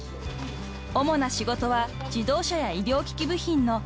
［主な仕事は自動車や医療機器部品の検品や梱包］